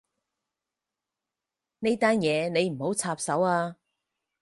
呢單嘢你唔好插手啊